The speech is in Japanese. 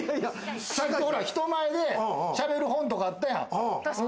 人前でしゃべる本とかあったやん。